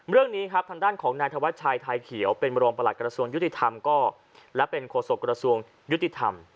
เรื่องนี้ครับทางด้านของนายธวัชชัยไทยเขียวเป็นรองประหลักกระทรวงยุติธรรมก็และเป็นโฆษกระทรวงยุติธรรม